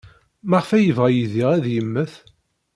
Maɣef ay yebɣa Yidir ad yemmet?